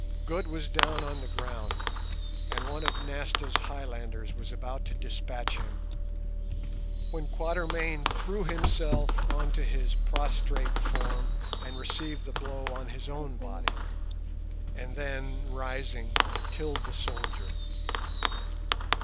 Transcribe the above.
Good was down on the ground, and one of Nasta's highlanders was about to dispatch him, when Quatermain threw himself on to his prostrate form and received the blow on his own body, and then, rising, killed the soldier.